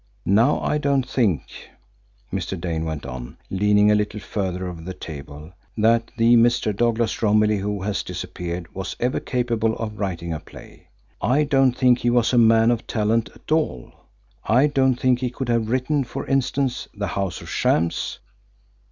Now I don't think," Mr. Dane went on, leaning a little further over the table, "that the Mr. Douglas Romilly who has disappeared was ever capable of writing a play. I don't think he was a man of talent at all. I don't think he could have written, for instance, 'The House of Shams.'